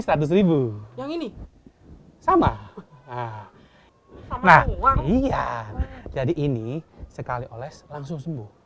nah ini sama nah uang iya jadi ini sekali oles langsung sembuh